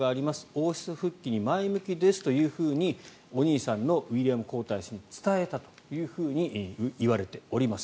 王室復帰に前向きですとお兄さんのウィリアム皇太子に伝えたというふうに言われております。